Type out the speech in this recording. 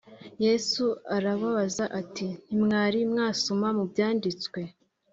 Yesu arababaza ati “Ntimwari mwasoma mu byanditswe